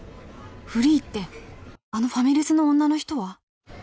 フリーってあのファミレスの女の人は？